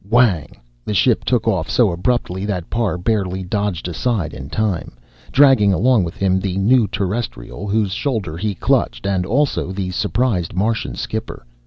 Whang!_ The ship took off so abruptly that Parr barely dodged aside in time, dragging along with him the new Terrestrial whose shoulder he clutched, and also the surprised Martian skipper.